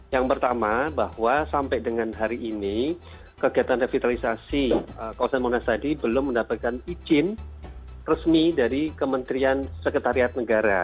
yang pertama bahwa sampai dengan hari ini kegiatan revitalisasi kawasan monas tadi belum mendapatkan izin resmi dari kementerian sekretariat negara